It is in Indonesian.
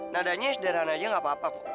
nadanya sederhana aja gak apa apa kok